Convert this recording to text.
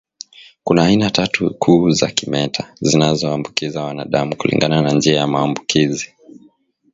Kuna aina tatu kuu za kimeta zinazoambukiza wanadamu kulingana na njia ya maambukizi